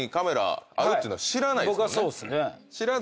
僕はそうっすね。